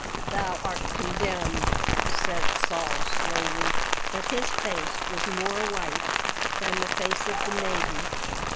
"Thou art condemned," said Saul slowly, but his face was more white than the face of the maiden.